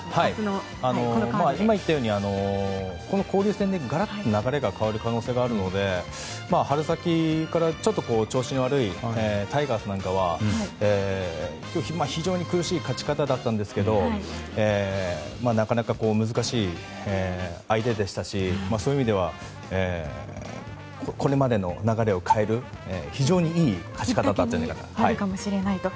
交流戦でがらっと流れが変わる可能性があるので春先からちょっと調子の悪いタイガースなんかは今日は非常に苦しい勝ち方だったんですけどなかなか難しい相手でしたしそういう意味ではこれまでの流れを変える非常にいい勝ち方だったんじゃないかと。